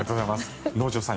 能條さん